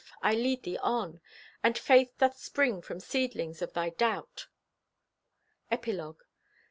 I lead thee on! And faith doth spring from seedlings of thy doubt! EPILOGUE.